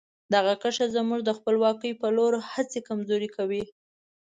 دغه کرښه زموږ د خپلواکۍ په لور هڅې کمزوري کوي.